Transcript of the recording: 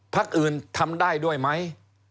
พักอื่นทำได้ด้วยไหม